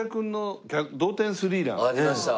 ありました。